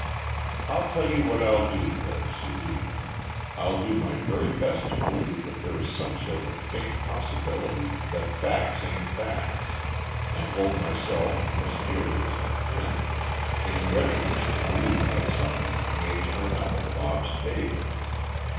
I'll tell you what I'll do, though, Sudie. I'll do my very best to believe that there is some sort of faint possibility that facts a'n't facts, and hold myself, as nearly as I can, in readiness to believe that something may turn up in Bob's favor.